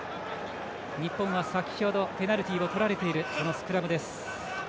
日本は先ほどペナルティーをとられているスクラムです。